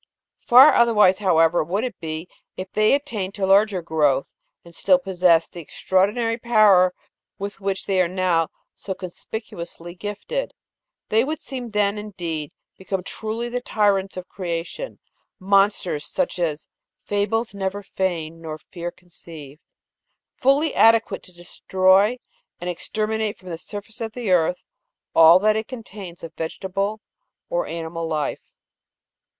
Far otherwise, however, would it be, if they attained to larger growth, and still possessed the extraordinary power with which they are now so con spicuously gifted; they would then, indeed, become truly the tyrants of crea tion, monsters such * as fables never feigned, nor fear conceived,' fully adequate to destroy and exterminate from the surface of the earth all that it contains of vegetable or of animal life.